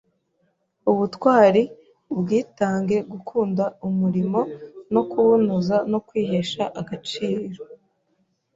Ubutwari, Ubwitange, Gukunda umurimo no kuwunoza no kwihesha agaciro.